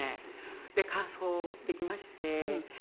で完走できましてええ。